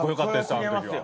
あん時は。